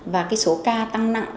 và cái số ca tăng nặng